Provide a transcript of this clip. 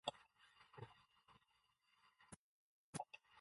A number of Swedes have been internationally successful in track and field.